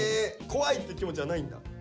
怖いって気持ちはないんだ？